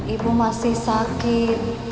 ibu masih sakit